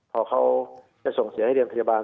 พอเขาจะส่งเสียให้เรียนพยาบาล